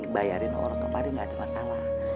bayarin orang kemarin gak ada masalah